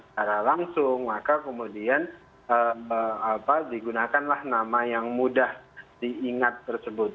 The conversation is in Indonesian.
karena itu mereka memiliki kekuatan untuk menggunakan nama yang mudah diingat tersebut